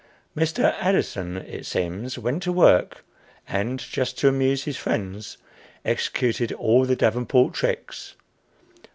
Mr. Addison, it seems, went to work, and, just to amuse his friends, executed all the Davenport tricks.